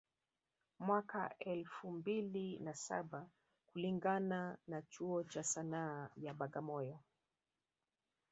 Mwaka wa elfu mbili na saba kulingana na chuo cha Sanaa ya Bagamoyo